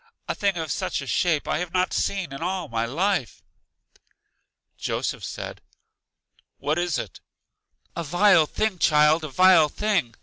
A thing of such a shape I have not seen in all my life! Joseph said, What is it? A vile thing, child, a vile thing!